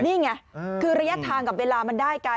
นี่ไงคือระยะทางกับเวลามันได้กัน